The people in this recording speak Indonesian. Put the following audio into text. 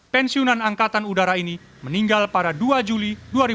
pensiunan angkatan udara ini meninggal pada dua juli dua ribu dua puluh